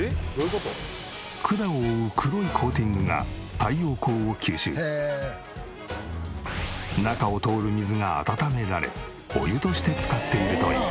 管を覆う黒いコーティングが中を通る水が温められお湯として使っているという。